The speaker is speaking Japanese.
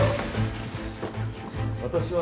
私は。